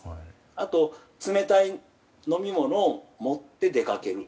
あと冷たい飲み物を持って出かける。